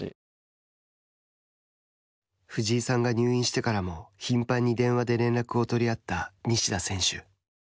藤井さんが入院してからも頻繁に電話で連絡を取り合った西田選手。